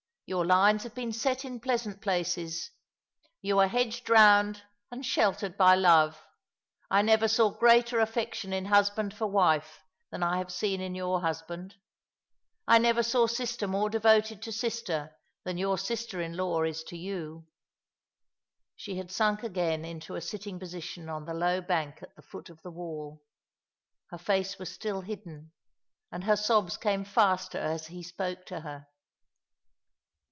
Your lines have been set in pleasant places. You are hedged round and sheltered by love. I never saw greater affection in husband for wife than I have seen in your husband. I never saw sister more devoted to sister than your sister in law is to you." She had sunk again into a sitting position on the low bank at the foot of the wall. Her face was still hidden, and her Bobs came faster as he spoke to her.